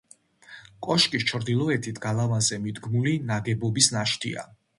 კოშკის ჩრდილოეთით, გალავანზე მიდგმული ნაგებობის ნაშთია.